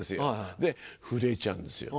で震えちゃうんですよ。